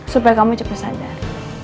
supaya kamu cepat sadar